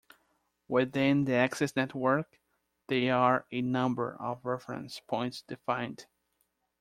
Within the access network, there are a number of reference points defined.